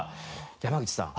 山口さん